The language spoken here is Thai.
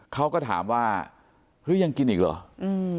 เขาก็ถามว่าเฮ้ยยังกินอีกเหรออืม